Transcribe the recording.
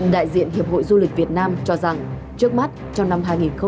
đại diện hiệp hội du lịch việt nam cho rằng trước mắt trong năm hai nghìn hai mươi